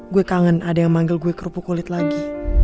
gue kangen ada yang manggil gue kerupuk kulit lagi